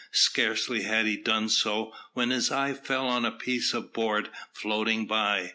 Scarcely had he done so, when his eye fell on a piece of board floating by.